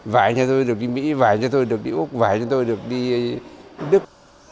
vài nhà tôi được đi mỹ vài nhà tôi được đi úc vài nhà tôi được đi đức